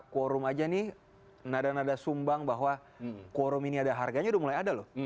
quorum aja nih nada nada sumbang bahwa quorum ini ada harganya udah mulai ada loh